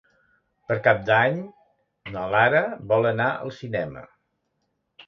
Per Cap d'Any na Lara vol anar al cinema.